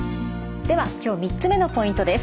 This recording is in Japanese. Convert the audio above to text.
では今日３つ目のポイントです。